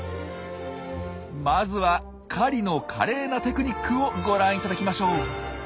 まずは狩りの華麗なテクニックをご覧いただきましょう。